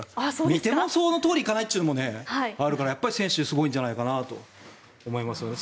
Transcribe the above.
見てもそのとおり行かないというのもあるから選手がすごいんじゃないかなと思いますね。